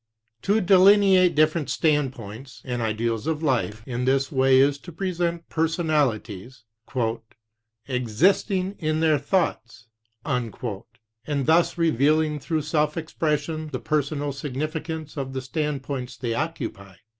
To delineate different standpoints and ideals of life in this way is to present personalities "existing in their thoughts," and thus revealing through self expression the personal sig nificance of the standpoints they occupy.